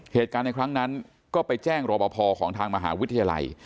เหตุการณ์ในครั้งนั้นก็ไปแจ้งรอปภของทางมหาวิทยาลัย